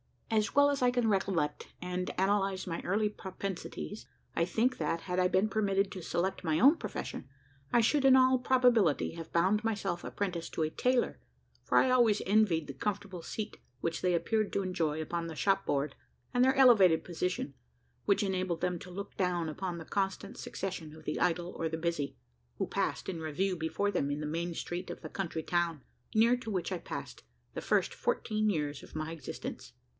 As well as I can recollect and analyse my early propensities, I think that, had I been permitted to select my own profession, I should in all probability have bound myself apprentice to a tailor; for I always envied the comfortable seat which they appeared to enjoy upon the shopboard, and their elevated position, which enabled them to look down upon the constant succession of the idle or the busy, who passed in review before them in the main street of the country town, near to which I passed the first fourteen years of my existence.